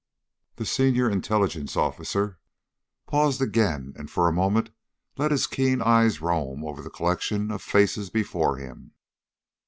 The senior Intelligence officer paused again and for a moment let his keen eyes roam over the collection of faces before him.